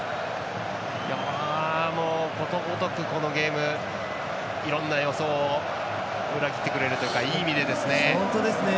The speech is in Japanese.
もう、ことごとくこのゲームいろんな予想を裏切ってくれるといういい意味でですね。